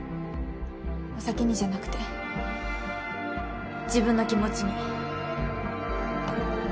お酒にじゃなくて自分の気持ちに。